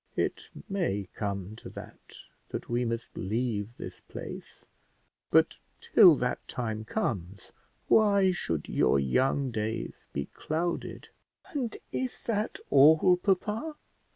It may come to that, that we must leave this place, but till that time comes, why should your young days be clouded?" "And is that all, papa?